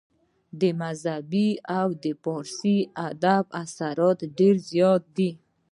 د مذهب او د فارسي ادب اثرات ډېر زيات دي